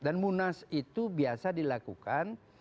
munas itu biasa dilakukan